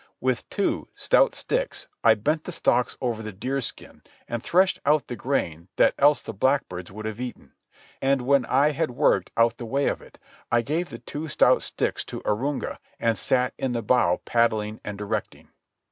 With two stout sticks I bent the stalks over the deerskin and threshed out the grain that else the blackbirds would have eaten. And when I had worked out the way of it, I gave the two stout sticks to Arunga, and sat in the bow paddling and directing.